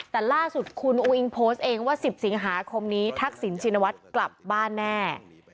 แต่ล่าสุดคุณอุ้งอิงโพสต์เองว่า๑๐สิงหาคมนี้ทักษิณชินวัฒน์กลับบ้านแน่